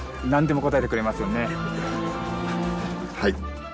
はい。